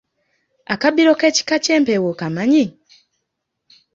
Akabbiro k’ekika ky’empeewo okamanyi?